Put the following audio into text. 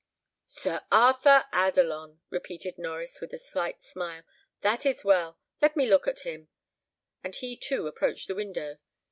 "Sir Arthur Adelon!" repeated Norries, with a slight smile, "that is well; let me look at him;" and he too approached the window.